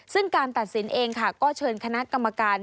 ซึ่งการตัดสินเองค่ะก็เชิญคณะกรรมการ